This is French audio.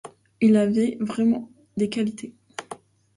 Il avait vraiment des qualités.